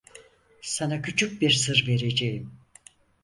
Sana küçük bir sır vereceğim.